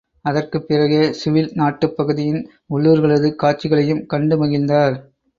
அதற்குப் பிறகே சுவில் நாட்டுப் பகுதியின் உள்ளூர்களது காட்சிகளையும் கண்டு மகிழ்ந்தார்.